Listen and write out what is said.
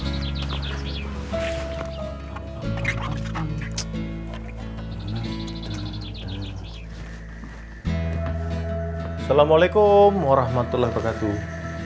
assalamualaikum warahmatullahi wabarakatuh